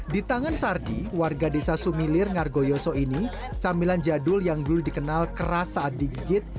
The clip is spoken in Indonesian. di tangan sardi warga desa sumilir ngargoyoso ini camilan jadul yang dulu dikenal keras saat digigit